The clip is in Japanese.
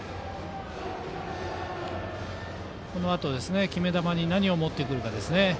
このあと、決め球に何を持ってくるかですね。